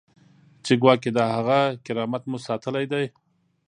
چې ګواکې د هغه کرامت مو ساتلی دی.